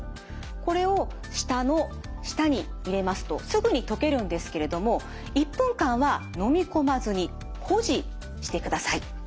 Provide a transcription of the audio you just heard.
これを舌の下に入れますとすぐに溶けるんですけれども１分間はのみ込まずに保持してください。